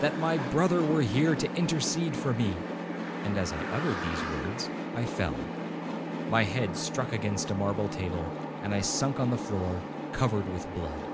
that my brother were here to intercede for me,'—and, as I uttered these words, I fell. My head struck against a marble table, and I sunk on the floor covered with blood.